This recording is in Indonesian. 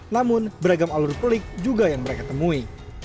namun beragam alur pelik juga yang mereka temui